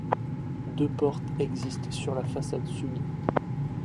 Deux portes existent sur la façade sud.